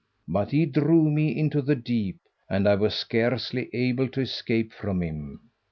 But he drew me into the deep, and I was scarcely able to escape from him.